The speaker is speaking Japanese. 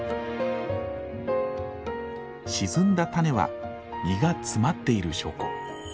沈んだ種は実が詰まっている証拠。